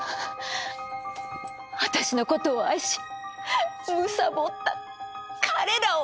私のことを愛しむさぼった彼らを返して！